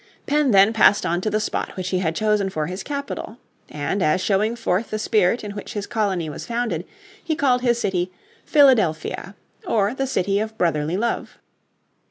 Penn then passed on to the spot which he had chosen for his capital. And as showing forth the spirit in which his colony was founded, he called his city Philadelphia or the city of brotherly love.